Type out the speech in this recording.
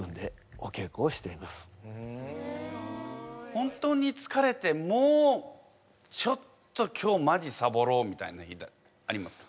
本当につかれてもうちょっと今日まじサボろうみたいな日ってありますか？